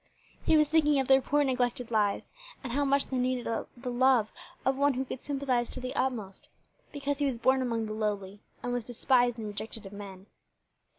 He was thinking of their poor, neglected lives, and how much they needed the love of One who could sympathize to the utmost, because he was born among the lowly, and "was despised and rejected of men."